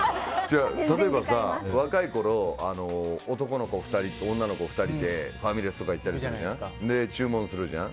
若いころ男の子２人と女の子２人でファミレスとか行って注文するじゃん。